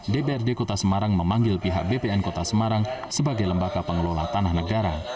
dprd kota semarang memanggil pihak bpn kota semarang sebagai lembaga pengelola tanah negara